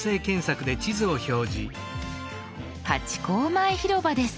ハチ公前広場です。